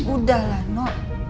udah lah no